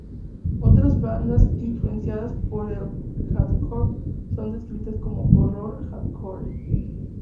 Otras bandas influenciadas por el hardcore son descritas como "horror hardcore".